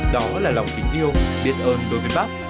đó là lòng tình yêu biết ơn đối với bác